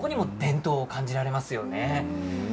ここにも伝統が感じられます。